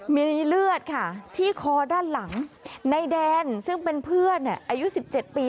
มีเลือดค่ะที่คอด้านหลังในแดนซึ่งเป็นเพื่อนอายุ๑๗ปี